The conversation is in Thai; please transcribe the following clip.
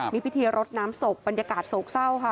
มีพิธีรดน้ำศพบรรยากาศโศกเศร้าค่ะ